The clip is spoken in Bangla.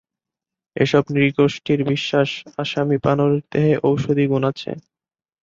এসব নৃগোষ্ঠীর বিশ্বাস আসামি বানরের দেহে ঔষধি গুণ আছে।